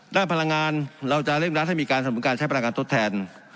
พลังงานเราจะเร่งรัดให้มีการสนุนการใช้พลังงานทดแทน